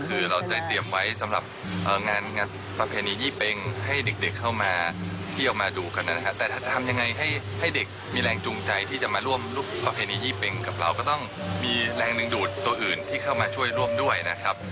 เอาไปลองฟังเสียงด้วยครับ